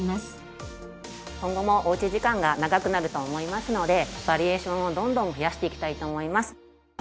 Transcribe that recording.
今後もおうち時間が長くなると思いますのでバリエーションをどんどん増やしていきたいと思います。